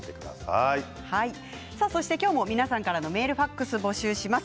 今日も皆さんからのメールファックスを募集します。